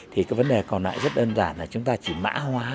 thì cái vấn đề còn lại rất đơn giản là chúng ta chỉ mã hóa